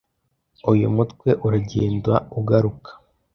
Uyu mutwe uragenda ugaruka